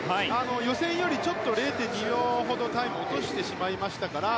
予選より０．２秒ほどタイムを落としてしまいましたから